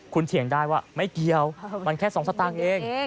คุณเถียงได้ว่าไม่เกี่ยวมันแค่๒สตางค์เอง